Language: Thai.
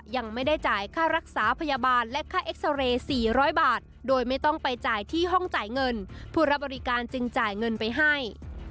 ยังไม่ได้จ่ายค่ารักษาพยาบาลและค่าเอ็กซาเรย์๔๐๐บาทโดยไม่ต้องไปจ่ายที่ห้องจ่ายเงินผู้รับบริการจึงจ่ายเงินไปให้